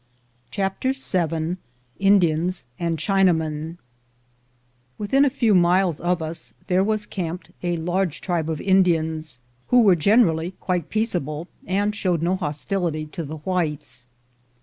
CHAPTER VII INDIANS AND CHINAMEN WITHIN a few miles of us there was camped a large tribe of Indians, who were generally quite peaceable, and showed no hostility to the whites.